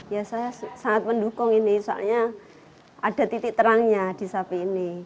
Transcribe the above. ya saya sangat mendukung ini soalnya ada titik terangnya di sapi ini